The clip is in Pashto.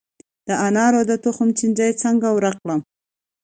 د انارو د تخم چینجی څنګه ورک کړم؟